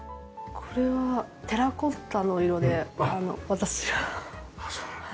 これはテラコッタの色で私が。